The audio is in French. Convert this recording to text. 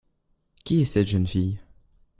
Qui est cette jeune fille ?